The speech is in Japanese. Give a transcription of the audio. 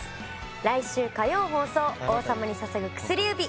来週火曜放送「王様に捧ぐ薬指」